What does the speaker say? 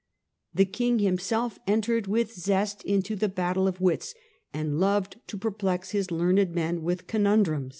The king himself entered with zest into the battle of wits, and loved to perplex his learned men with con undrums.